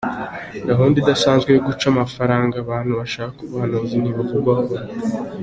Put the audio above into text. Gahunda idasanzwe yo guca amafaranga abantu bashaka ubuhanuzi ntivugwaho rumwe.